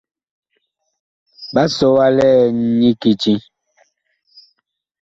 Ɓa sɔ wa liɛn nyi kiti.